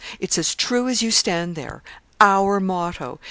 'It's as true as you stand there our motto.